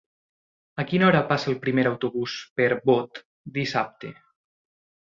A quina hora passa el primer autobús per Bot dissabte?